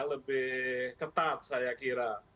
lebih ketat saya kira